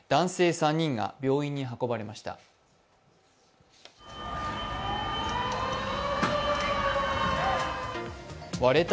３人が病院に運ばれました。